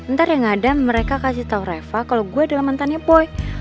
ntar yang ada mereka kasih tau reva kalau gue adalah mantannya poi